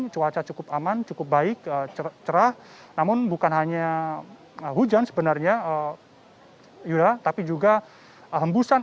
cuaca cukup aman cukup baik cerah namun bukan hanya hujan sebenarnya yuda tapi juga hembusan